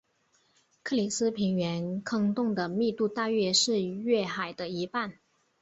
克里斯平原坑洞的密度大约是月海的一半。